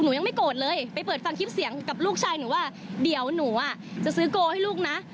หนูยังไม่โกรธเลยไปเปิดฟังคลิปเสียงกับลูกชายหนูว่าเดี๋ยวหนูอ่ะจะซื้อโกลให้ลูกนะ